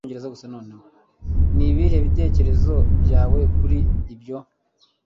Ni ibihe bitekerezo byawe kuri ibyo